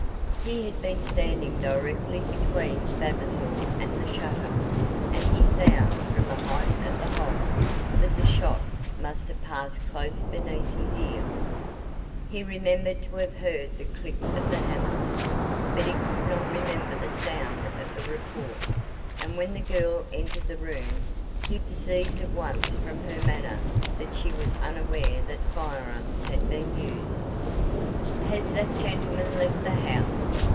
He had been standing directly between Vavasor and the shutter, and he found, from the height of the hole, that the shot must have passed close beneath his ear. He remembered to have heard the click of the hammer, but he could not remember the sound of the report, and when the girl entered the room, he perceived at once from her manner that she was unaware that firearms had been used. "Has that gentleman left the house?"